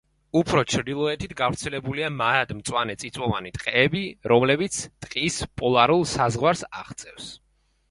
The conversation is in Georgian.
უფრო ჩრდილოეთით გავრცელებულია მარად მწვანე წიწვოვანი ტყეები, რომლებიც ტყის პოლარულ საზღვარს აღწევს.